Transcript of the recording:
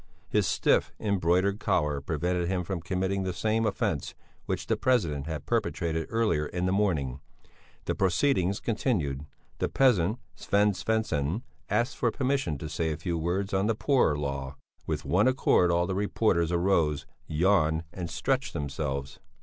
His stiff, embroidered collar prevented him from committing the same offence which the president had perpetrated earlier in the morning. The proceedings continued. The peasant Sven Svensson asked for permission to say a few words on the Poor Law. With one accord all the reporters arose, yawned and stretched themselves.